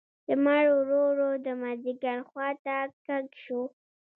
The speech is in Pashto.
لمر ورو ورو د مازیګر خوا ته کږ شو.